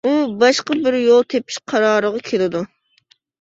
ئۇ باشقا بىر يول تېپىش قارارىغا كېلىدۇ.